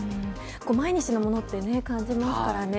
毎日のものって感じますからね。